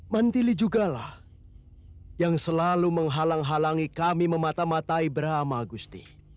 mandili juga lah yang selalu menghalang halangi kami memata matai brama gusti